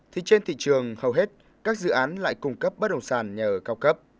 thì trên thị trường hầu hết các dự án lại cung cấp bất động sản nhờ cao cấp